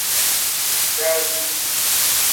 Daaziki.